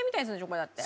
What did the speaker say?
これだって。